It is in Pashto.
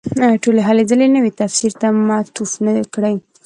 ټولې هلې ځلې نوي تفسیر ته معطوف نه کړي.